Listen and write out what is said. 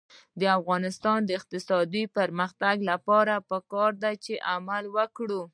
د افغانستان د اقتصادي پرمختګ لپاره پکار ده چې عمل وکړو.